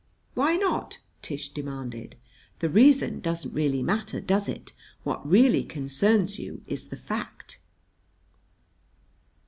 "Why not?" Tish demanded. "The reason doesn't really matter, does it? What really concerns you is the fact."